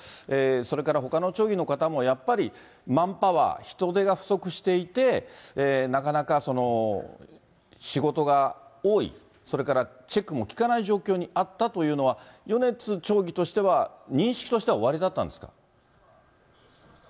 それからほかの町議の方も、やっぱりマンパワー、人手が不足していて、なかなか仕事が多い、それからチェックも利かない状況にあったというのは、米津町議としては、認識としてはおありだったんですか？